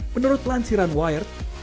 menurut lansiran wired